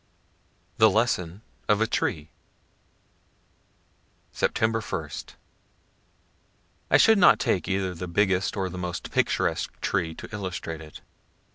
THE LESSON OF A TREE Sept. 1. I should not take either the biggest or the most picturesque tree to illustrate it.